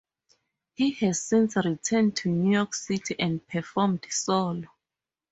He has since returned to New York City and performed solo.